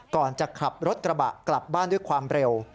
ก่อนจะขับรถกระบะกลับบ้านด้วยความเร็ว